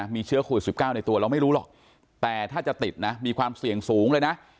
มีเชื้อโควิด๑๙ในตัวเราไม่รู้หรอกแต่ถ้าจะติดนะมีความเสี่ยงสูงเลยนะ